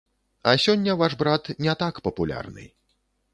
А сёння ваш брат не так папулярны.